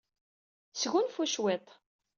Sgunfu cwiṭ.